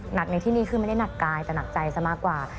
หนักในที่นี่คือไม่ได้หนักกายแต่หนักใจซะมากกว่า